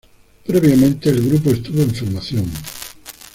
Previamente el grupo estuvo en formación.